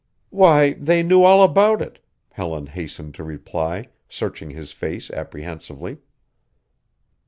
"Why, they knew all about it," Helen hastened to reply, searching his face apprehensively.